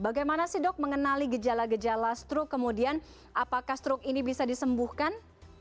bagaimana sih dok mengenali gejala gejala struk kemudian apakah struk ini bisa disembuhkan